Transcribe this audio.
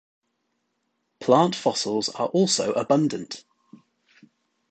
Plant fossils are also abundant.